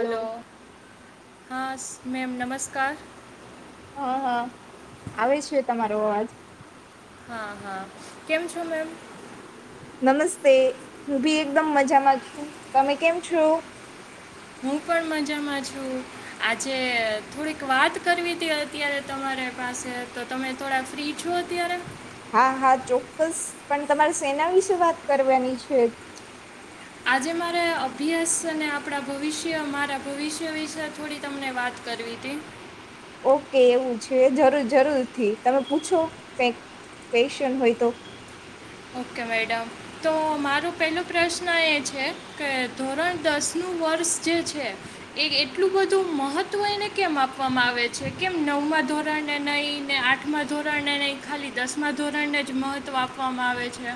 Hello હા. Ma'am નમસ્કાર. હા હા આવે છે તમારો અવાજ. હા હા કેમ છો મેમ. નમસ્તે હું ભી એકદમ મજામાં છું તમે કેમ છો. આજે થોડીક વાત કરવી હતી અત્યારે તમારી પાસે તો તમે થોડા ફ્રી છો અત્યારે. પણ તમારે સેના વિશે વાત કરવાની છે. આજે મારે અભ્યાસ અને આપણા ભવિષ્ય મારા ભવિષ્ય વિશે થોડી તમને વાત કરવી હતી. ઓકે એવું છે જરૂર જરૂરથી તમે પૂછો કઇક ક્વેશન હોય તો. ઓકે મેડમ તો મારો પહેલો પ્રશ્ન એ છે કે ધોરણ દસ નું વર્ષ જે છે એ એટલું બધું મહત્ત્વ એને કેમ આપવામાં આવે છે કેમ નવમાં ધોરણેને નહીં ને આઠમા ધોરણેને નહીં ખાલી દસમા ધોરણને જ મહત્વ આપવામાં આવે. હોય છે.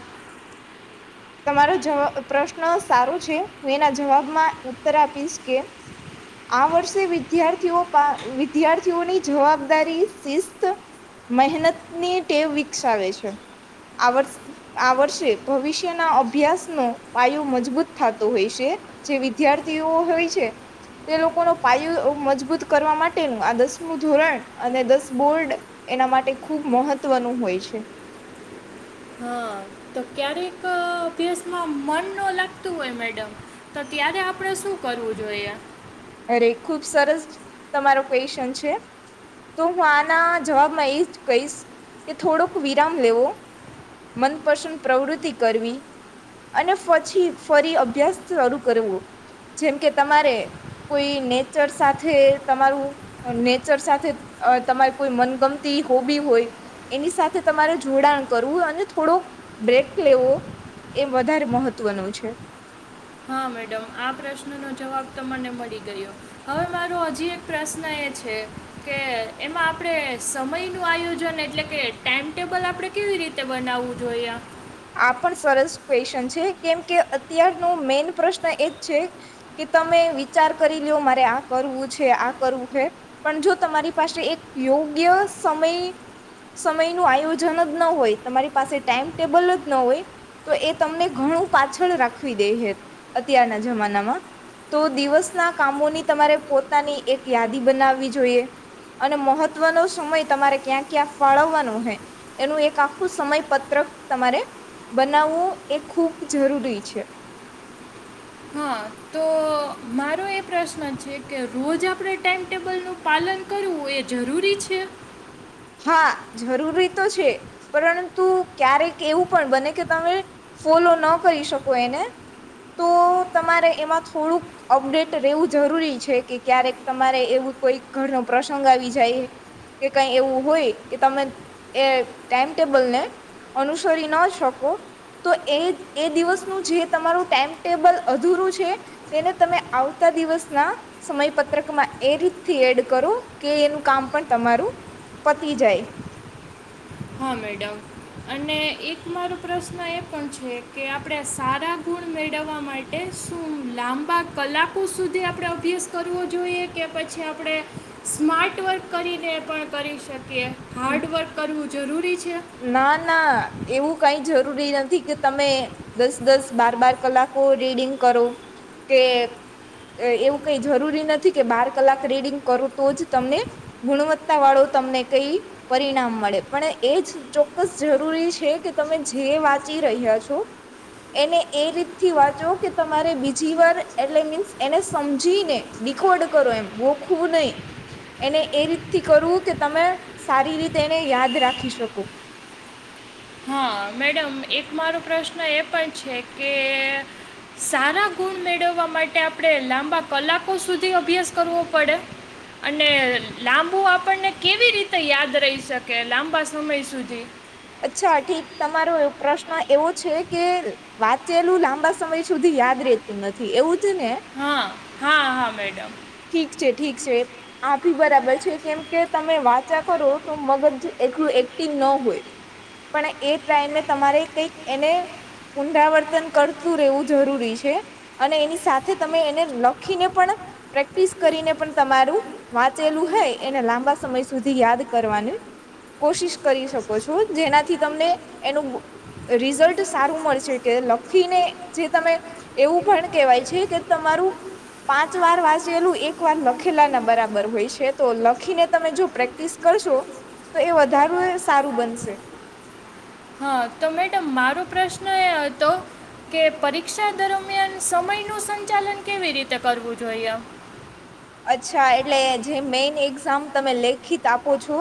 તમારો [unintelligible] પ્રશ્ન પ્રશ્ન સારો છે હું એના જવાબમાં ઉત્તર આપીશ કે. આ વર્ષે વિદ્યાર્થીઓ વિદ્યાર્થીઓની જવાબદારી શિસ્ત મહેનતની ટેવ વિકસાવ છે. આ વર્ષ આ વર્ષે ભવિષ્યના અભ્યાસનો પાયો મજબૂત થતો હોય છે જે વિદ્યાર્થીઓ હોય છે. તે લોકોનો પાયો મજબૂત કરવા માટેનું આ દસમું ધોરણ અને દસ બોર્ડ એના માટે ખૂબ મહત્વનું હોય છે. તો ક્યારેક અભ્યાસમાં મન ન લાગતું હોય મેડમ તો ત્યારે આપણે શું કરવું જોઈએ. અરે ખુબ સરસ તમારો ક્વચન છે તો હું આના જવાબમાં એ જ કહીશ કે થોડોક વિરામ લેવો મનપસંદ પ્રવૃત્તિ કરવી અને પછી ફરી અભ્યાસ શરૂુ કરવો જેમ કે તમારે. કોઈ નેચર સાથે તમારું નેચર સાથે તમારી કોઈ મનગમતી હોબી હોય એની સાથે તમારે જોડાણ કરવું અને થોડોક બ્રેક લેવો એ વધારે મહત્વનું છે. હા મેડમ આ પ્રશ્નનો જવાબ તમને મળી ગયો હવે મારો હજી એક પ્રશ્ન એ છે કે એમાં આપણે સમયનું આયોજન એટલે કે ટાઈમટેબલ આપણે કેવી રીતે બનાવવું જોઈએ. આ પણ સરસ ક્વેશચન છે કેમ કે અત્યારનો મેન પ્રશ્ન એ જ છે કે તમે વિચાર કરી લો મારે આ કરવું છે આ કરવું છે પણ જો તમારી પાસે એક યોગ્ય સમય સમય નું આયોજન જ ન હોય તમારી પાસે ટાઈમ ટેબલ જ. ન હોય તો એ તમને ઘણું પાછળ રાખવી દે હ અત્યારના જમાનામાં તો દિવસના કામોની તમારે પોતાની એક યાદી બનાવવી જોઈએ અને મહત્વનો સમય તમારે ક્યાં ક્યાં ફાળવવાનો હોય એનું એક આખું સમય પત્રક તમારે. બનાવવું એ ખૂબ જરૂરી છે. પ્રશ્ન છે કે રોજ આપણે ટાઈમ ટેબલનું પાલન કરવું એ જરૂરી છે. હા જરૂરી તો છે પરંતુ ક્યારેક એવું પણ બને કે તમે ફોલો ન કરી શકો એને તો તમારે એમાં થોડુંક અપડેટ રહેવું જરૂરી છે કે ક્યારેક તમારે એવું કોઈ ઘરનો પ્રસંગ આવી જાય કે કઈ એવું. હોય કે તમે એ ટાઈમટેબલને અનુસરી ન શકો તો એ એ દિવસનું જે તમારું ટાઈમટેબલ અધૂરું છે તેને તમે આવતા દિવસના સમય પત્રકમાં એ રીતથી એડ કરો કે એનું કામ પણ તમારું. પતી જાય. હા મેડમ અને એક મારો પ્રશ્ન એ પણ છે કે આપણે સારા ગુણ મેળવવા માટે શું લાંબા કલાકો સુધી આપણે અભ્યાસ કરવો જોઈએ કે પછી આપણે સ્માર્ટ વર્ક કરીને પણ કરી શકીએ. કે હાર્ડવર્ક કરવું. જરૂરી છે. ના ના એવું કઈ જરૂરી નથી કે તમે દસ દસ બાર બાર કલાકો રીડિંગ કરો કે એવું કઈ જરૂરી નથી કે બાર કલાક રીડિંગ કરો તો જ તમને ગુણવત્તા વાળો તમને કઈ પરિણામ મળે પણ એ જ. ચોક્કસ જરૂરી છે કે તમે જે વાંચી રહ્યા છો એને એ રીતથી વાંચો કે તમારે બીજી વાર એટલે મીન્સ એને સમજીને ડકોડ કરો એમ ગોખવું નહી એને એ રીતથી કરવું કે તમે સારી રીતે એને યાદ રાખી શકો. મેડમ એક મારો પ્રશ્ન એ પણ છે કે સારા ગુણ મેળવવા માટે આપણે લાંબા કલાકો સુધી અભ્યાસ કરવો પડે અને લાંબુ આપણને કેવી રીતે યાદ રહી શકે લાંબા સમય સુધી. અચ્છા ઠીક તમારો પ્રશ્ન એવો છે કે વાંચેલું લાંબા સમય સુધી યાદ રહતું નથી એવું જ. હા હા હા મેડમ. ઠીક છે આી બરાબર છે કેમ કે તમે વાચા કરો તો મગજ એટલું એક્ટિંગ ન હોય. પણ એ ટ્રાયને તમારે કઈક એને પુનરાવર્તન કરતું રહેવું જરૂરી છે અને એની સાથે તમે એને લખીને પણ પ્રેક્ટિસ કરીને પણ તમારું વાંચેલું હૈ એને લાંબા સમય સુધી યાદ કરવાની કોશિશ કરી શકો છો. જેનાથી તમને એનું રિઝલ્ટ સારું મળશે કે લખીને જે તમે એવું પણ કેહેવાય છે કે તમારું પાંચ વાર વાંચેલું એક વાર લખેલા ના બરાબર હોય છે તો લખીને તમે જો પ્રેક્ટિસ કરશો તો એ વધારે સારું બનશે. તો મેડમ મારો પ્રશ્ન એ હતો કે પરીક્ષા દરમિયાન સમય નું સંચાલન કેવી રીતે કરવું જોઈએ. અચ્છા એટલે જે મેઈન એક્ઝામ તમે લેખિત આપો છો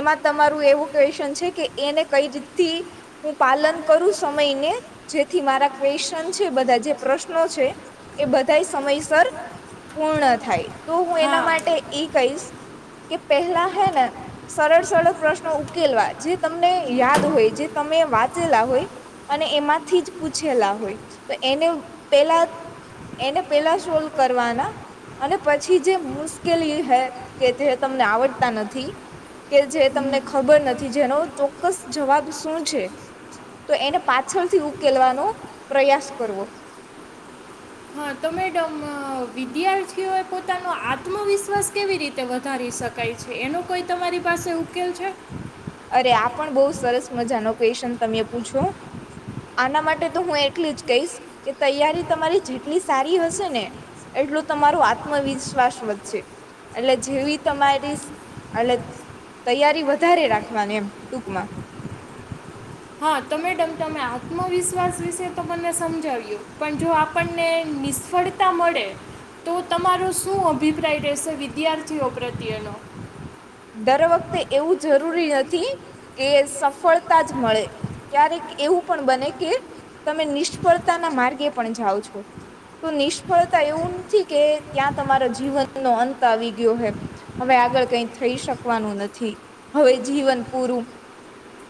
એમાં તમારું એવું ક્વેશન છે કે એને કઈ રીતથી હું પાલન કરું સમયને જેથી મારા ક્વેશ્ચન છે બધા જે પ્રશ્નો છે એ બધા સમયસર પૂર્ણ થાય. તો હું એના માટે એ કહીશ કે પહેલા હે ને સરળ સરળ પ્રશ્નો ઉકેલવા જે તમને યાદ હોય જે તમે વાંચેલા હોય અને એમાંથી જ પૂછેલા હોય તો એને પેલા એને પેલા સોલ્વ કરવાના અને. પછી જે મુશ્કેલી હૈ કે જે તમને આવડતા નથી કે જે તમને ખબર નથી જેનો ચોક્કસ જવાબ શું છે તો એને પાછળથી ઉકેલવાનો પ્રયાસ કરવો. હા તો મેડમ વિદ્યાર્થીઓએ પોતાનો આત્મવિશ્વાસ કેવી રીતે વધારી શકાય છે એનો કોઈ તમારી પાસે ઉકેલ છે. અરે આ પણ બહુ સરસ મજાનો ક્વેશન તમે પૂછો આના માટે તો હું એટલું જ કહીશ કે તૈયારી તમારી જેટલી સારી હશે ને એટલું તમારોું આત્મવિશ્વાસ વધશે એટલે જેવી તમારી એટ તૈયારી વધારે રાખ. લખવા એમ ટૂકમાં. હા તો મેડમ તમે આત્મવિશ્વાસ વિશે તો મને સમજાવ્યું પણ જો આપણને નિષ્ફળતા મળે તો તમારો શું અભિપ્રાય રહેશે વિદ્યાર્થીઓ પ્રત્યેનો. દર વખતે એવું જરૂરી નથી કે સફળતા જ મળે ક્યારેક એવું પણ બને કે તમે નિષ્ફળતાના માર્ગે પણ જાઓ છો તો નિષ્ફળતા એવું નથી કે ત્યાં તમારા જીવનનોો અંત આવી ગયો હ હવે આગળ કઈ. થઈ શકવાનું નથી હવે જીવન પૂરું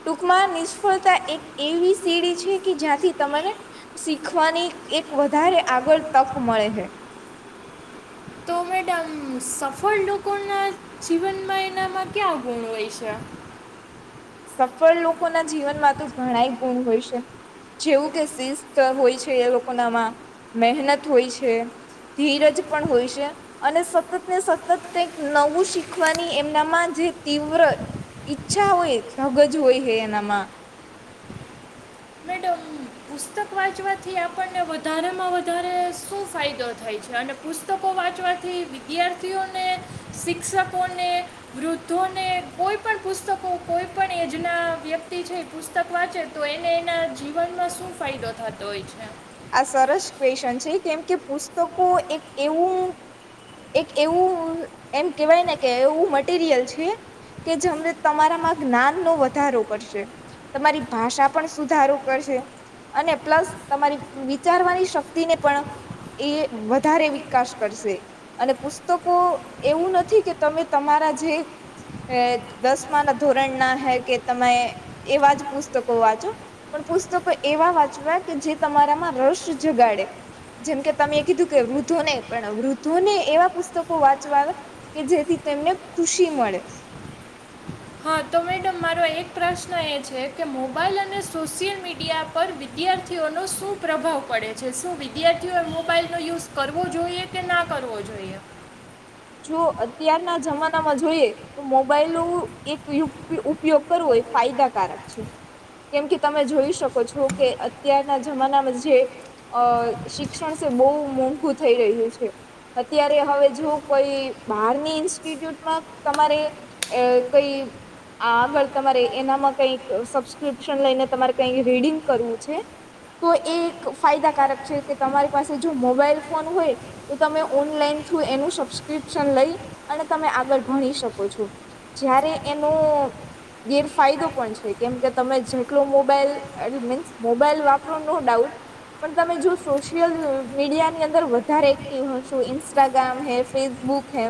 ટૂંકમાં નિષ્ફળતા એક એવી સીડી છે કે જ્યાંથી તમને શીખવાની એક વધારે આગળ તક મળે છે. સફળ લોકો ના જીવનમાં એનામાં ક્યાં ગુણ હોય છે. સફળ લોકોના જીવનમાં તો ઘણાય ગુણ હોય છે જેવું કે શિસ્ત હોય છે એ લોકોનામાં મહેનત હોય છે ધીરજ પણ હોય છે અને સતત ને સતત કઈક નવું શીખવાની એમનામાં જે તીવ્ર ઈચ્છા હોય. ધગજ હોય હે એનામાં. પુતક વાંચવાથી આપણને વધારેમાં વધારે શું ફાયદો થાય છે અને પુસ્તકો વાંચવાથી વિદ્યાર્થીઓને શિક્ષકોને વૃદ્ધોને કોઈપણ પુસ્તકો કોઈપણ એજના વ્યક્તિ છે એ પુસ્તક વાંચે તો એને એના જીવનમાં શું ફાયદો થાય. થતો હોય છે. આ સરસ ક્વેશન છે કેમ કે પુસ્તકો એક એવું એક એવું એમ કેહેવાય ને કે એવું મટીરિયલ છે કે જેમને તમારામાં જ્ઞાન નો વધારો કરશે તમારી ભાષા પણ સુધારો કરશે અને પ્લસ તમારી. વિચારવાની શક્તિને પણ એ વધારે વિકાસ કરશે અને પુસ્તકો એવું નથી કે તમે તમારા જે દસમા ના ધોરણ ના હૈ કે તમે એવા જ પુસ્તકો વાંચો પણ પુસ્તકો એવા વાંચવા કે જે તમારા. રસ જગાડે જેમકે તમે કીધું કે વૃદ્ધો નહીં પણ વૃદ્ધોને એવા પુસ્તકો વાંચવા કે જેથી તેમને ખુશી મળે. હા તો મેડમ મારો એક પ્રશ્ન એ છે કે મોબાઈલ અને સોશિયલ મીડિયા પર વિદ્યાર્થીઓનો શું પ્રભાવ પડે છે શું વિદ્યાર્થીઓએ મોબાઈલનો યુઝ કરવો જોઈએ કે ના કરવો જોઈએ. જો અત્યારના જમાનામાં જોઈએ તો મોબાઈલ ન એક ઉપયોગ કરવો એ ફાયદાકારક છે કેમ કે તમે જોઈ શકો છો કે અત્યારના જમાનામાં જે અ શિક્ષણ છે બહુ મોંઘું થઈ રહ્યું છે અત્યારે હવે જો. કોઈ બહારની ઇન્સ્ટિટ્યૂટમાં તમારે કઈ આગળ તમારે એનામાં કઈક સબસ્ક્રિપ્શન લઈને તમારે કઈક રીડિંગ કરવું છે તો એ એક ફાયદાકારક છે કે તમારી પાસે જો મોબાઈલ ફોન હોય તો તમે ઓનલાઈન થ્રુ એનું સબ. િપ્શન લઈ અને તમે આગળ ભણી શકો છો જ્યારે એનો ગેરફાયદો પણ છે કેમ કે તમે જેટલો મોબાઈલ એ મીન્સ મોબાઈલ વાપરો નો ડાઉટ પણ તમે જો સોશિયલ મીડિયાની અંદર વધારે એક્ટિવ હશો ઇન્સ્ટાગ્રામ હે. ફેસબુક હ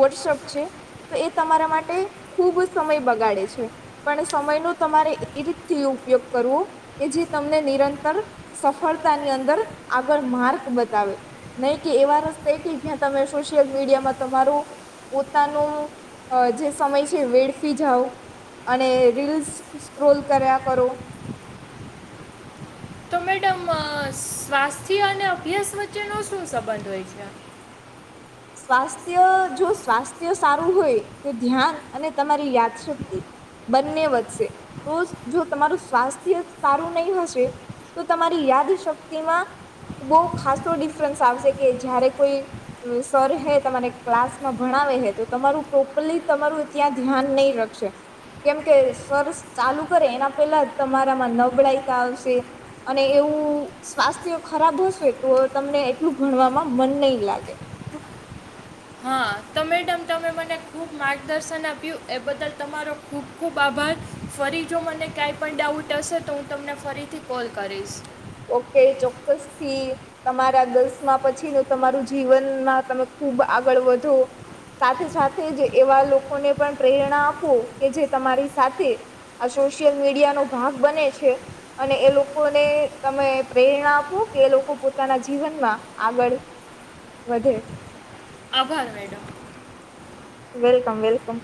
વોટ્સઅપ છે તો એ તમારા માટે ખૂબ સમય બગાડે છે પણ સમયનો તમારે એ રીતથી ઉપયોગ કરવો કે જે તમને નિરંતર સફળતાની અંદર આગળ માર્ક બતાવે નહીં કે એવા રસ્તા કે જ્યાં તમે. ો મીડ તમા પોતાનું સમય વે અને ર્રોલ કર. તો મેડમ સ્વાસ્થ્ય અને અભ્યાસ વચ્ચેનો શું સંબંધ હોય છે. સ્વાસ્થ્ય. જો સ્વાસ્થ્ય સારું હોય. તો ધ્યાન અને તમારી યાદ શક્તિ બંને વધશે તો જો તમારું સ્વાસ્થ્ય સારું નહીિ હશે તો તમારી યાદ શક્તિમાં બહ ખાસો ડિફરન્સ આવશે કે જયારે કોઈ. સર હે તમારે ક્લાસમાં ભણાવે હે તો તમારું પ્રોપરલી તમારું ત્યાં ધ્યાન નહીં રખશે કેમકે સર ચાલુ કરે એના પહેલા તમારામાં નબળાઈતા આવશે અને એવું સ્વાસ્થ્ય ખરાબ હશે તો તમને એટલું ભણવામાં મન નહી લાગે. હ [inaudible] તેમ તમે મને ખૂબ માર્ગદર્શન આપ્યું એ બદલ તમારો ખૂબ ખૂબ આભાર ફરી જો મને ક્યાંઈ પણ ડાઉટ હશે તો હું તમને ફરીથી કોલ કરીશ કે ચોક્કસથી તમારા દસમાં પછી ન તમારું જીવનમાં તમે ખુબ આગળ વધો સાથે સાથે જ એવા લોકોને પણ પ્રેરણા આપો કે જે તમારી સાથે આ સોશિયલ મીડિયા નો ભાગ બને છે અને એ લોકોને તમે પ્રેરણા આપો કે એ લોકો પોતાના જીવનમાં આગળ વધે આભાર મેડમ વેલકમ વેલકમ